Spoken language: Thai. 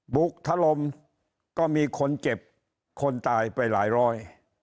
บุ๊คทะลมก็มีคนเก็บคนตายไปหลายรอย